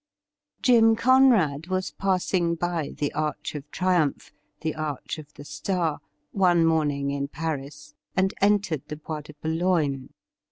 Jim Conrad was passing by the Arch of Triumph, the Arch of the Star, one morning in Paris, and entered the Bois de Boulogne.